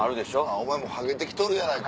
「お前ハゲて来とるやないか。